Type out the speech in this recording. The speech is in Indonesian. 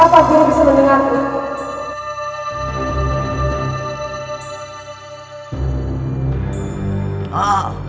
apa guru bisa mendengarku